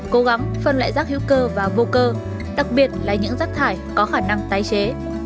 cố gắng phân loại rác hữu cơ và vô cơ đặc biệt là những rác thải có khả năng tái chế